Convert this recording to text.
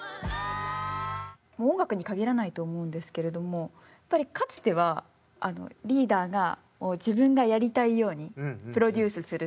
もう音楽に限らないと思うんですけれどもやっぱりかつてはリーダーが自分がやりたいようにプロデュースする。